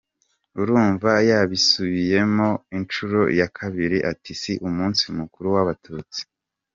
Urumva yabisubiyemo inshuro ya kabiri ati si umunsi mukuru w’abatutsi se?